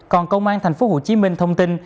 còn công an tp hcm thông tin